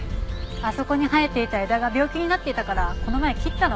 あそこに生えていた枝が病気になっていたからこの前切ったの。